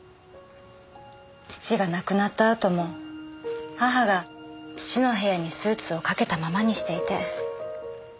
父が亡くなったあとも母が父の部屋にスーツを掛けたままにしていて。